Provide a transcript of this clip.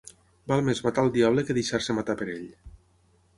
Val més matar el diable que deixar-se matar per ell.